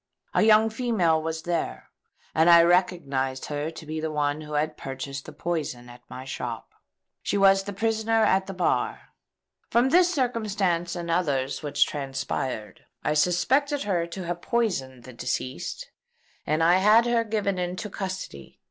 A young female was there; and I recognised her to be the one who had purchased the poison at my shop. She is the prisoner at the bar. From this circumstance and others which transpired, I suspected her to have poisoned the deceased; and I had her given into custody.